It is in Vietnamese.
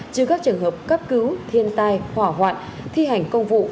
trừ các trường hợp cấp cứu thiên tai hỏa hoạn thi hành công vụ